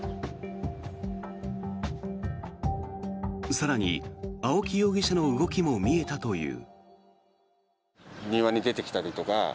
更に青木容疑者の動きも見えたという。